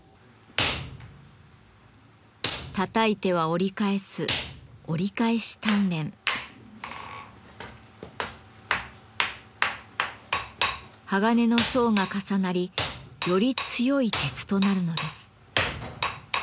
たたいては折り返す鋼の層が重なりより強い鉄となるのです。